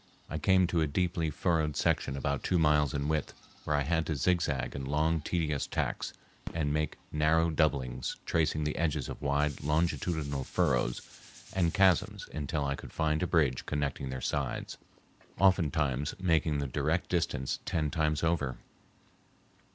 I came to a deeply furrowed section about two miles in width where I had to zigzag in long, tedious tacks and make narrow doublings, tracing the edges of wide longitudinal furrows and chasms until I could find a bridge connecting their sides, oftentimes making the direct distance ten times over.